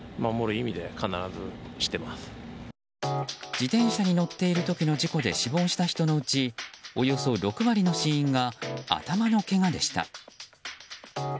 自転車に乗っている時の事故で死亡した人のうちおよそ６割の死因が頭のけがでした。